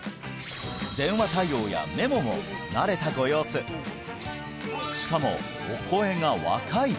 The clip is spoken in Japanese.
電話対応やメモも慣れたご様子しかもお声が若い！